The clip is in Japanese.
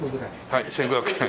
はい１５００円。